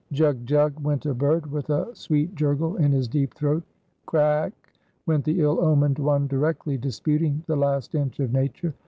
Jug! jug! went a bird with a sweet jurgle in his deep throat. Craake! went the ill omened one directly, disputing the last inch of nature.